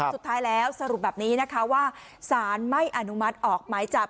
สุดท้ายแล้วสรุปแบบนี้นะคะว่าสารไม่อนุมัติออกหมายจับ